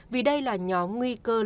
vì đây là nhóm nguy cơ lây nhiễm rất cao